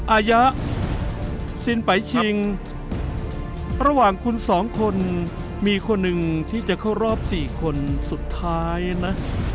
อายะสินไปชิงระหว่างคุณสองคนมีคนหนึ่งที่จะเข้ารอบ๔คนสุดท้ายนะ